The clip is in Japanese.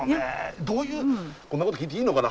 どういうこんなこと聞いていいのかな？